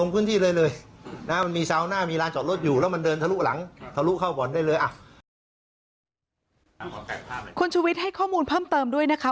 คุณชุวิตให้ข้อมูลเพิ่มเติมด้วยนะคะ